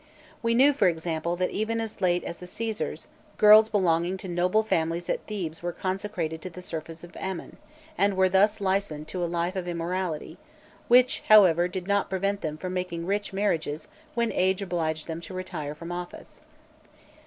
We knew, for example, that even as late as the Cæsars, girls belonging to noble families at Thebes were consecrated to the service of Amon, and were thus licensed to a life of immorality, which, however, did not prevent them from making rich marriages when age obliged them to retire from office.